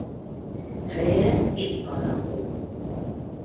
Feje ék alakú.